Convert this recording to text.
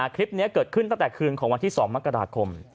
คลิปนี้เกิดขึ้นตั้งแต่คืนของวันที่๒มกราคม